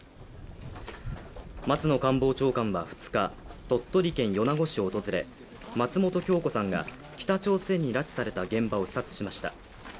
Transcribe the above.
松野官房長官は２日、鳥取県米子市を訪れ松本京子さんが北朝鮮に拉致された現場を視察しました。